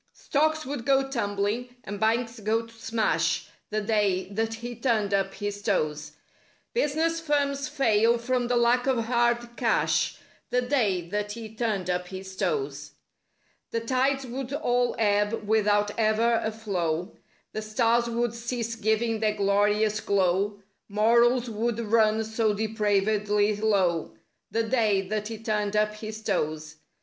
Stocks would go tumbling and banks go to smash— The day that he turned up his toes; Business firms fail from the lack of hard cash— The day that he turned up his toes. The tides would all ebb without ever a flow; The stars would cease giving their glorious glow; Morals would run so depravedly low— The day that he turned up his toes.